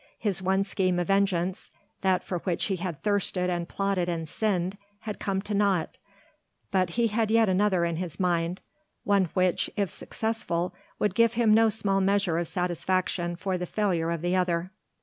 His one scheme of vengeance that for which he had thirsted and plotted and sinned had come to nought, but he had yet another in his mind one which, if successful, would give him no small measure of satisfaction for the failure of the other.